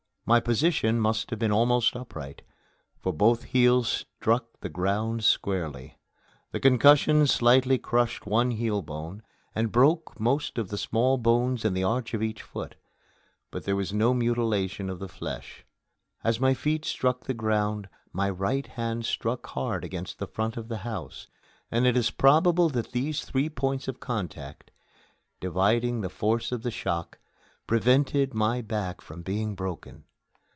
My position must have been almost upright, for both heels struck the ground squarely. The concussion slightly crushed one heel bone and broke most of the small bones in the arch of each foot, but there was no mutilation of the flesh. As my feet struck the ground my right hand struck hard against the front of the house, and it is probable that these three points of contact, dividing the force of the shock, prevented my back from being broken.